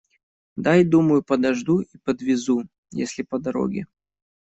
Дай, думаю, подожду и подвезу, если по дороге.